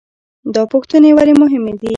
دا پوښتنې ولې مهمې دي؟